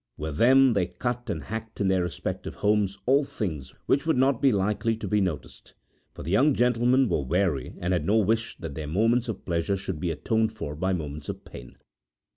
With them they cut and hacked in their respective homes all things which would not be likely to be noticed; for the young gentlemen were wary and had no wish that their moments of pleasure should be atoned for by moments of pain.